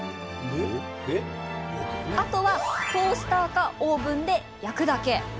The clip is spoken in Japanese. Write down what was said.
あとはトースターかオーブンで焼くだけ。